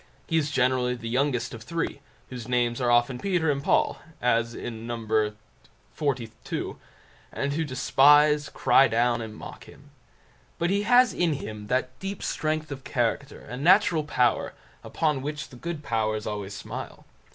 He is generally the youngest of three, whose names are often Peter and Paul, as in No. xlii, and who despise, cry down, and mock him. But he has in him that deep strength of character and natural power upon which the good powers always smile.